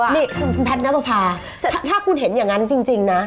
นี่คุณแพทย์นับประพาถ้าคุณเห็นอย่างนั้นจริงนะ